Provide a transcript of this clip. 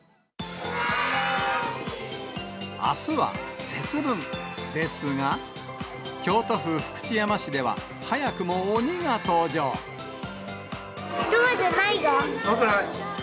あすは節分ですが、京都府福知山市では、怖くないよ。